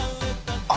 あっ！